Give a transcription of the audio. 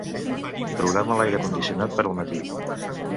Programa l'aire condicionat per al matí.